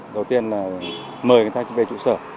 đầu tiên là mời người ta về trụ sở